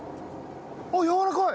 あっやわらかい。